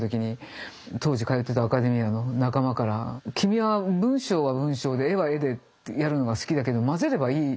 当時通っていたアカデミアの仲間から「君は文章は文章で絵は絵でやるのが好きだけどまぜればいいじゃん。